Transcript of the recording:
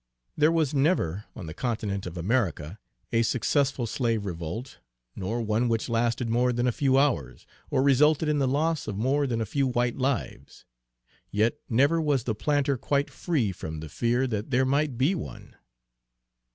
There was never, on the continent of America, a successful slave revolt, nor one which lasted more than a few hours, or resulted in the loss of more than a few white lives; yet never was the planter quite free from the fear that there might be one.